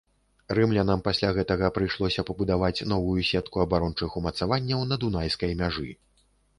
Рымлянам пасля гэтага прыйшлося пабудаваць новую сетку абарончых умацаванняў на дунайскай мяжы.